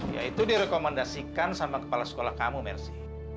ya itu direkomendasikan sama kepala sekolah kamu mersi